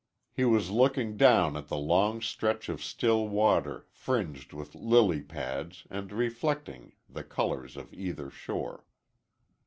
He was looking down at the long stretch of still water, fringed with lily pads, and reflecting the colors of either shore.